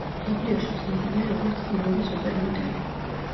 მსოფლიოში ცნობილია როგორც პირველი სუპერმოდელი.